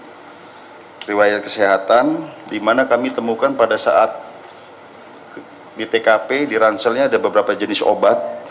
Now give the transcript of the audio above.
jadi riwayat kesehatan di mana kami temukan pada saat di tkp di ranselnya ada beberapa jenis obat